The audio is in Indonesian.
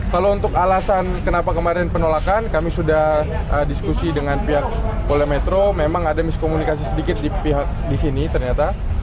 kalau untuk alasan kenapa kemarin penolakan kami sudah diskusi dengan pihak polda metro memang ada miskomunikasi sedikit di pihak di sini ternyata